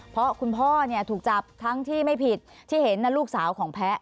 เพราะคุณพ่อถูกจับทั้งที่ไม่ผิดที่เห็นลูกสาวของแพ้